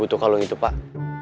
butuh kalung itu pak